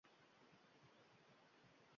Er bermoq jon bermoq, axir